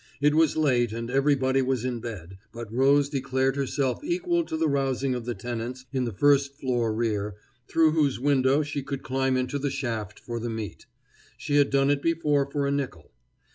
It was late, and everybody was in bed, but Rose declared herself equal to the rousing of the tenants in the first floor rear, through whose window she could climb into the shaft for the meat. She had done it before for a nickel.